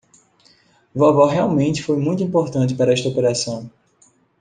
Vovó realmente foi muito importante para esta operação.